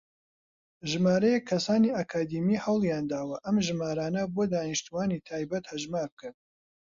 ژمارەیەک کەسانی ئەکادیمی هەوڵیانداوە ئەم ژمارانە بۆ دانیشتووانی تایبەت هەژمار بکەن.